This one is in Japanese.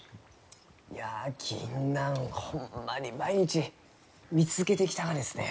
いやギンナンホンマに毎日見続けてきたがですね。